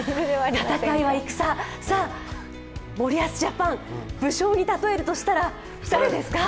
戦いは戦、さあ森保ジャパン、武将に例えるとしたら誰ですか？